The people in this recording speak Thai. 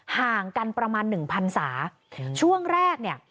ห่างกันประมาณหนึ่งพันศาช่วงแรกเนี่ย